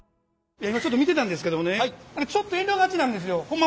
今ちょっと見てたんですけどもねちょっと遠慮がちなんですよ。